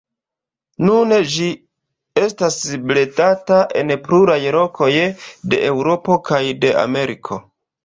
Nun ĝi estas bredata en pluraj lokoj de Eŭropo kaj de Ameriko.